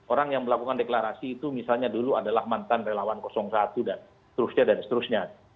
orang yang melakukan deklarasi itu misalnya dulu adalah mantan relawan satu dan seterusnya dan seterusnya